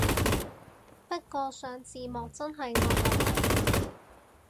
不過上字幕真係惡夢嚟